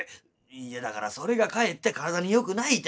「いやだからそれがかえって体によくないてんだ。